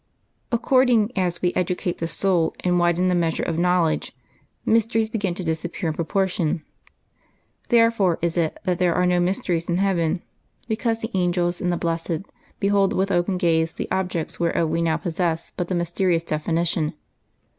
According as we educate the soul and widen the measure of knowledge, mysteries begin to dis appear in proportion; therefore is it that there are no mysteries in heaven, because the angels and the blessed behold with open gaze the objects whereof we now possess but the mysterious definition.